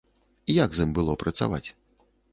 Як з ім было працаваць?